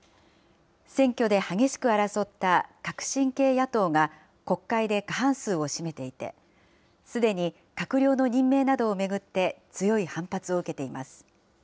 選挙で激しく争った革新系野党が国会で過半数を占めていて、すでに閣僚の任命などを巡って、強い反発を受けています。